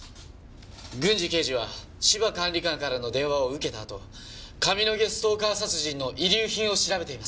郡侍刑事は芝管理官からの電話を受けたあと上野毛ストーカー殺人の遺留品を調べています。